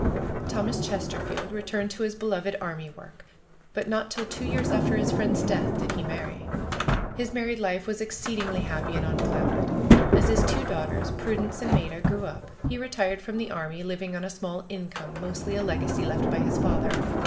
Thomas Chesterfield returned to his beloved army work. But not till two years after his friend's death did he marry. His married life was exceedingly happy and unclouded. As his two daughters. Prudence and Maida, grew up, he retired from the army, living on a small income, mostly a legacy left by his father.